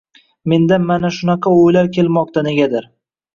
menda mana shunaqa o‘ylar kelmoqda negadir.